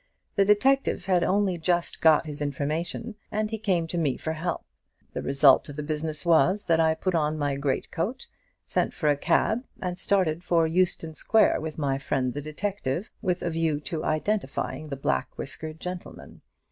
The detective had only just got his information, and he came to me for help. The result of the business was, that I put on my great coat, sent for a cab, and started for Euston Square with my friend the detective, with a view to identifying the black whiskered gentleman.